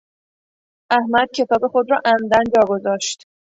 احمد کتاب خود را عمدا جا گذاشت.